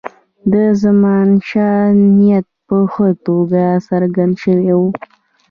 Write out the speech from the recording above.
د زمانشاه نیت په ښه توګه څرګند شوی وو.